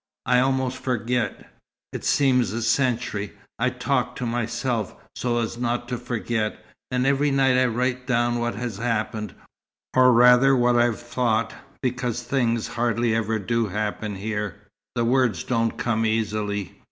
I almost forget it seems a century. I talk to myself so as not to forget. And every night I write down what has happened, or rather what I've thought, because things hardly ever do happen here. The words don't come easily.